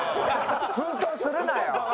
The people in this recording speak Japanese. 奮闘するなよ！